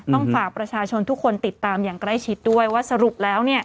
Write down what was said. ต้องฝากประชาชนทุกคนติดตามอย่างใกล้ชิดด้วยว่าสรุปแล้ว